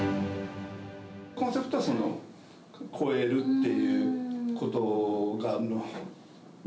コンセプトは越えるっていうことに。